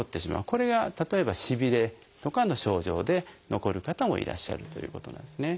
これが例えばしびれとかの症状で残る方もいらっしゃるということなんですね。